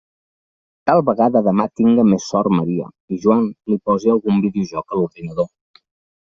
Tal vegada demà tinga més sort Maria i Joan li pose algun videojoc a l'ordinador.